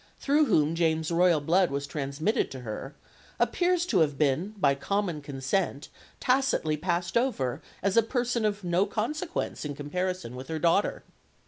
through whom Jane's royal blood was transmitted to her, appears to have been by common consent tacitly passed over, as a person of no consequence in comparison with her daughter.